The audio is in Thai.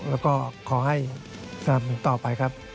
แล้วก็ขอให้สนับสนุนต่อไปครับ